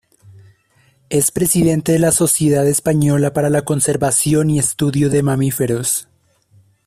Es presidente de la Sociedad Española para la Conservación y Estudio de Mamíferos.